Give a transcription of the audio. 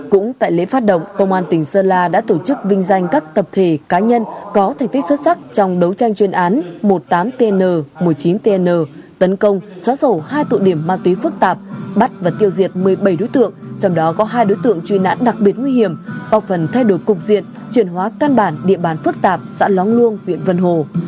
cũng tại lễ phát động công an tỉnh sơn la đã tổ chức vinh danh các tập thể cá nhân có thành tích xuất sắc trong đấu tranh chuyên án một mươi tám tn một mươi chín tn tấn công xóa sổ hai tụ điểm ma túy phức tạp bắt và tiêu diệt một mươi bảy đối tượng trong đó có hai đối tượng truy nãn đặc biệt nguy hiểm bỏ phần thay đổi cục diện chuyển hóa căn bản địa bàn phức tạp xã long luông huyện vân hồ